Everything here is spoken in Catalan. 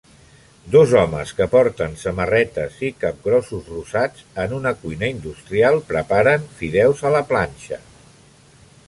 Dos homes que porten samarretes i capgrossos rosats en una cuina industrial preparen fideus a la planxa